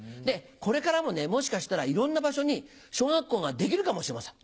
これからももしかしたらいろんな場所に小学校ができるかもしれません。